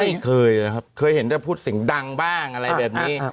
ไม่เคยนะครับเคยเห็นแต่พูดเสียงดังบ้างอะไรแบบนี้